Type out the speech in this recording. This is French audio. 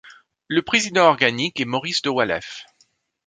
Le président organique est Maurice de Waleffe.